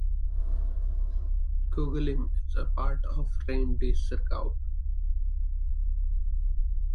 Kogalym is part of the raïon de Sourgout.